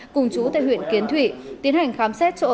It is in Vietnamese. cùng chú tại huyện kiến thủy tiến hành khám xét chỗ